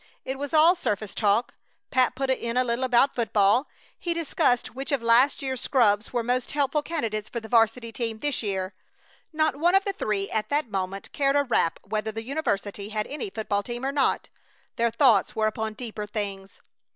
It was all surface talk. Pat put in a little about football. He discussed which of last year's scrubs were most hopeful candidates for the 'varsity team this year. Not one of the three at that moment cared a rap whether the university had any football team or not. Their thoughts were upon deeper things.